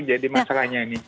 jadi masalahnya ini